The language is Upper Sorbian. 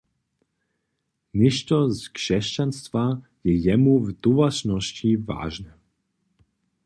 Něšto z křesćanstwa je jemu w towaršnosći wažne.